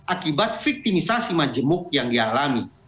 akibat victimisasi majemuk yang dialami